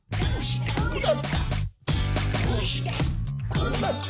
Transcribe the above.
こうなった？